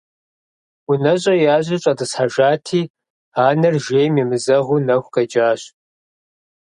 УнэщӀэ ящӀри щӀэтӀысхьэжати, анэр жейм емызэгъыу нэху къекӀащ.